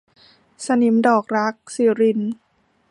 สนิมดอกรัก - สิริณ